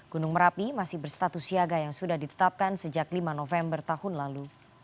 gunung merapi masih berstatus siaga yang sudah ditetapkan sejak lima november tahun lalu